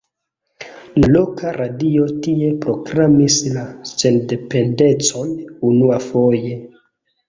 La loka radio tie proklamis la sendependecon unuafoje.